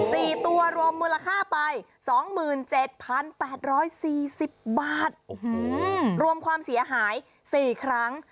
สี่ตัวรวมมูลค่าไปสองหมื่นเจ็ดพันแปดร้อยสี่สิบบาทโอ้โหรวมความเสียหายสี่ครั้ง